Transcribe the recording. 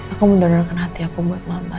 aku mau donorin hati aku buat mama